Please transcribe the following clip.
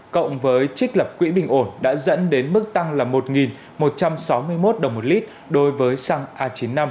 cộng với trích lập quỹ bình ổn đã dẫn đến mức tăng là một một trăm sáu mươi một đồng một lít đối với xăng a chín mươi năm